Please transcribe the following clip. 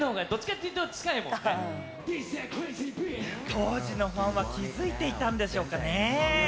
当時のファンは気づいていたんでしょうかね？